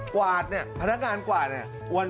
กวาดนี่พนักงานกวาดนี่